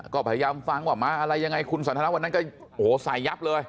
ก็พยายามฟังว่ามาอะไรยังไงคุณสันทนาวันนั้นก็โอ้โหใส่ยับเลย